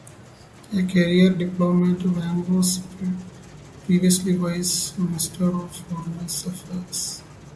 A career diplomat, Wang was previously Vice Minister of Foreign Affairs.